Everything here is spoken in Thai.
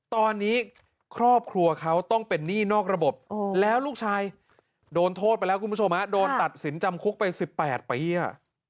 ตอนนี้ครอบครัวเขาต้องเป็นหนี้นอกระบบแล้วลูกชายโดนโทษไปแล้วคุณผู้ชมฮะโดนตัดสินจำคุกไป๑๘ปีอ่ะ